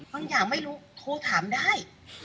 บางอย่างไม่รู้พูดถามได้